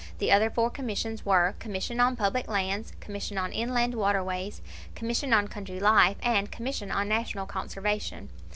The other four commissions were: Commission on Public Lands; Commission on Inland Waterways; Commission on Country Life; and Commission on National Conservation.